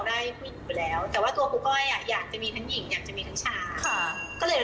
ออกได้หญิงอยู่แล้วแต่ว่าตัวปุ๊กก้อยยากจะมีทั้งหญิงอยากมีทั้งชาย